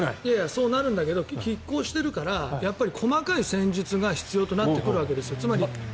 そうなるんだけどきっ抗してるから細かい戦術が必要となってくるわけですよ。